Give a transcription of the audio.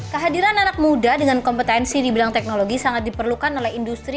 kehadiran anak muda dengan kompetensi di bidang teknologi sangat diperlukan oleh industri